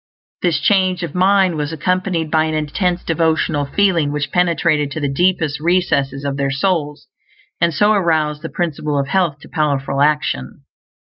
This change of mind was accompanied by an intense devotional FEELING which penetrated to the deepest recesses of their souls, and so aroused the Principle of Health to powerful action.